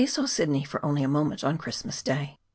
saw Sidney for only a moment on Christmas Day.